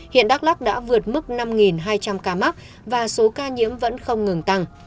hợp mức năm hai trăm linh ca mắc và số ca nhiễm vẫn không ngừng tăng